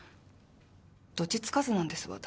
どっちつかずなんです私。